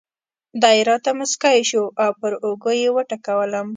دی راته مسکی شو او پر اوږه یې وټکولم.